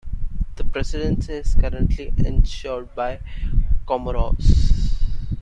The Presidency is currently ensured by Comoros.